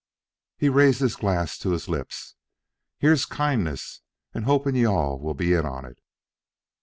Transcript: He raised his glass to his lips. "Here's kindness, and hoping you all will be in on it."